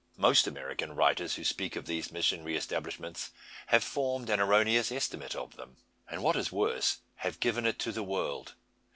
Most American writers, who speak of these missionary establishments, have formed an erroneous estimate of them. And, what is worse, have given it to the world.